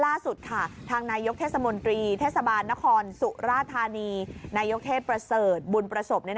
ล่าสุดครับทางนายกเทศบาลนครสุราชธานีนายกเทพระเสริฐฟรรณประศพ